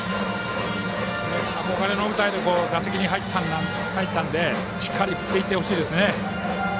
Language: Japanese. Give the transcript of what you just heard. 憧れの舞台で打席に入ったのでしっかり振っていってほしいです。